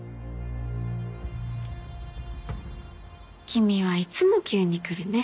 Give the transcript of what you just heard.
・君はいつも急に来るね。